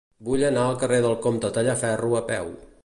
Vull anar al carrer del Comte Tallaferro a peu.